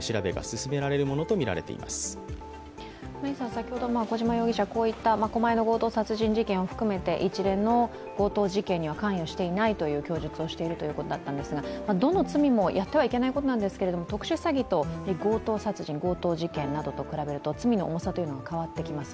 先ほど小島容疑者、こういった狛江の強盗殺人事件を含めて一連の強盗事件には関与していないという供述をしているということだったんですがどの罪もやってはいけないことなんですけども、特殊詐欺と強盗殺人、強盗事件などと比べると罪の重さというのが変わってきます。